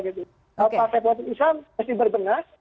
partai politik islam mesti berbenah